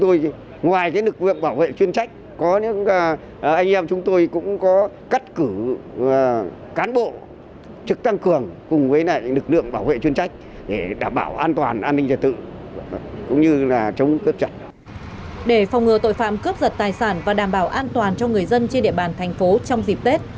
để phòng ngừa tội phạm cướp giật tài sản và đảm bảo an toàn cho người dân trên địa bàn thành phố trong dịp tết